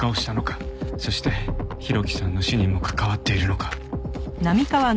そして浩喜さんの死にも関わっているのか。